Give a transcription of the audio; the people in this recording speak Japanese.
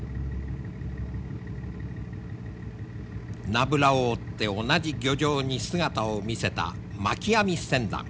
ナブラを追って同じ漁場に姿を見せたまき網船団。